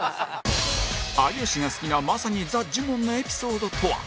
有吉が好きなまさにザ・ジモンのエピソードとは？